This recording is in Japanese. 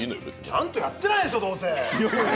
ちゃんとやってないでしょ、どうせ！